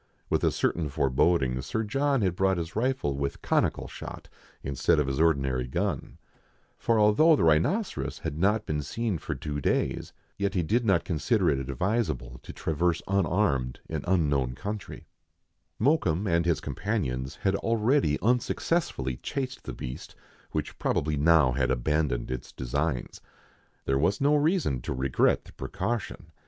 With a certain foreboding. Sir John had brought his rifle with conical shot instead of his ordinary gun ; for although the rhinoceros had not been seen for two days, yet he did not consider it " The Rhinoceros !" exclaimed Sir John.— [Tage 141.] THREE ENGLISHMEN AND THREE RUSSIANS. 14I advisable to traverse unarmed an unknown country. Mokoum and his companions had already unsuccessfully chased the beast, which probably now had abandoned its designs. There was no reason to regret the precaution.